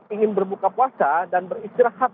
ingin berbuka puasa dan beristirahat